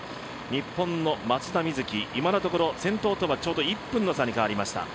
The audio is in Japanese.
日本の松田瑞生、今のところ先頭とはちょうど１分の差に変わりました。